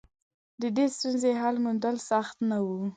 د دې ستونزې حل موندل سخت نه و.